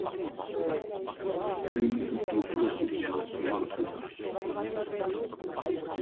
Une ou deux fois seulement, il entrevit…